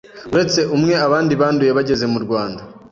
Uretse umwe, abandi banduye bageze mu Rwanda